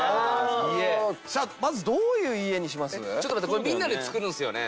これみんなで作るんですよね？